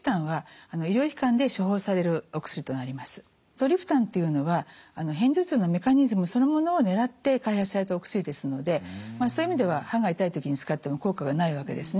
トリプタンっていうのは片頭痛のメカニズムそのものを狙って開発されたお薬ですのでそういう意味では歯が痛い時に使っても効果がないわけですね。